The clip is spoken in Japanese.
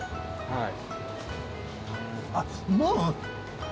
はい。